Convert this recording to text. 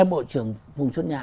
bộ trưởng phùng xuân nhạ